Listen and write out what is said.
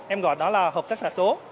em gọi đó là hợp tác xã số